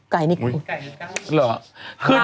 กนี่คือ